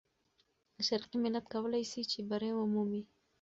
شرقي ملت کولای سي چې بری ومومي.